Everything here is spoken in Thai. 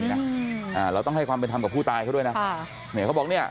นี้นะเราต้องให้ความเป็นทำกับผู้ตายเขาด้วยนะเขาบอกเนี่ย